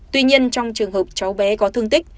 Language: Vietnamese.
tuy nhiên trong trường hợp cháu bé có thương tích